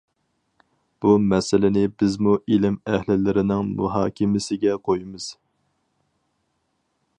بۇ مەسىلىنى بىزمۇ ئىلىم ئەھلىلىرىنىڭ مۇھاكىمىسىگە قويىمىز.